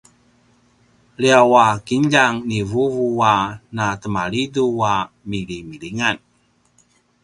liyaw a kinljang ni vuvu a na temalidu a milimilingan